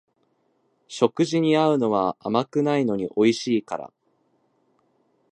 食事に合うのは甘くないのにおいしいから